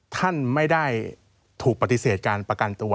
ท่านไม่ได้ถูกปฏิเสธการประกันตัว